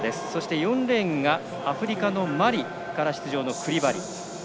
４レーンがアフリカのマリから出場のクリバリ。